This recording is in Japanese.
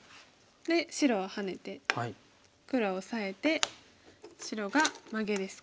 で白はハネて黒はオサえて白がマゲですか。